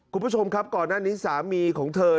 คุณผู้ชมครับก่อนหน้านี้สามีของเธอ